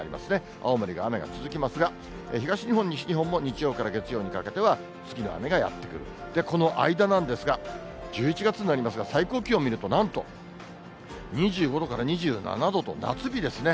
青森が雨が続きますが、東日本、西日本も日曜から月曜にかけては、次の雨がやって来る、この間なんですが、１１月になりますが、最高気温見ると、なんと、２５度から２７度と、夏日ですね。